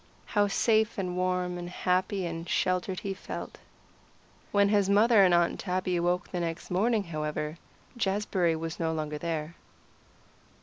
How safe and warm and happy and sheltered he felt. When his mother and Aunt Tabby awoke the next morning, however, Jazbury was no longer there.